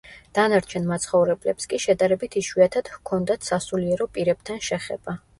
დანარჩენ მაცხოვრებლებს კი შედარებით იშვიათად ჰქონდათ სასულიერო პირებთან შეხება.